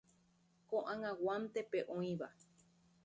Ko'ag̃aguánte pe oĩva.